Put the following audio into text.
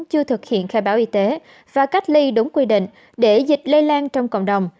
chưa thực hiện khai báo y tế và cách ly đúng quy định để dịch lây lan trong cộng đồng